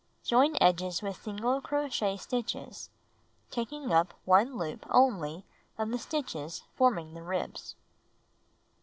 Join edges with single crochet stitches, taking up 1 loop only of the stitches forming the ribs.